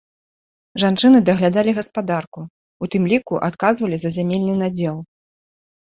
Жанчыны даглядалі гаспадарку, у тым ліку адказвалі за зямельны надзел.